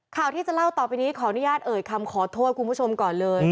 ข่าวที่จะเล่าต่อไปนี้ขออนุญาตเอ่ยคำขอโทษคุณผู้ชมก่อนเลย